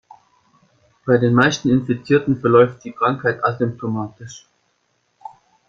Bei den meisten Infizierten verläuft die Krankheit asymptomatisch.